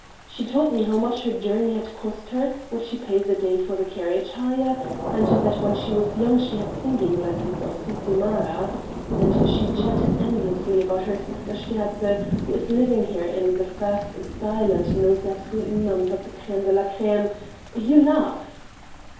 "She told me how much her journey had cost her, what she pays a day for carriage hire, and that when she was young she had singing lessons of Cicimara. And she chattered endlessly about her sister Sterzl who is living here 'in the first style and knows absolutely none but the crême de la crême' you laugh!..."